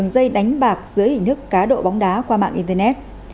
dây đánh bạc dưới hình thức cá độ bóng đá qua mạng internet